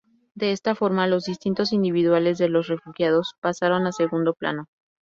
De esta forma los destinos individuales de los refugiados pasaron a segundo plano.